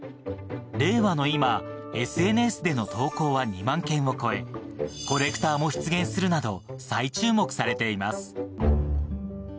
令和の今、ＳＮＳでの投稿は２万件を超え、コレクターも出現するなど再注目されています。